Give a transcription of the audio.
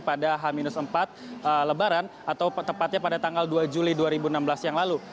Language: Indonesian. pada h empat lebaran atau tepatnya pada tanggal dua juli dua ribu enam belas yang lalu